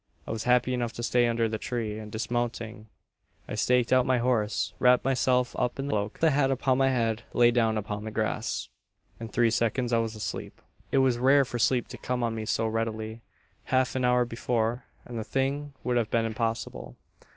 I was happy enough to stay under the tree; and, dismounting, I staked out my horse; wrapped myself up in the cloak; and with the hat upon my head, lay down upon the grass. "In three seconds I was asleep. "It was rare for sleep to come on me so readily. Half an hour before, and the thing would have been impossible.